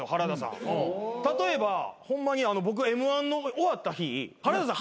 例えばホンマに僕Ｍ−１の終わった日原田さん